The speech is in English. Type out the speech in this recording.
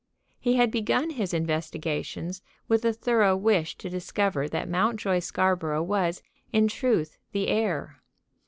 He had begun his investigations with a thorough wish to discover that Mountjoy Scarborough was, in truth, the heir.